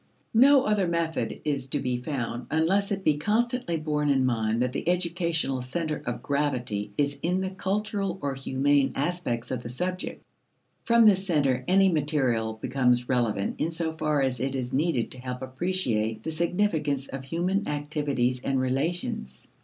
No other method is to be found unless it be constantly borne in mind that the educational center of gravity is in the cultural or humane aspects of the subject. From this center, any material becomes relevant in so far as it is needed to help appreciate the significance of human activities and relations.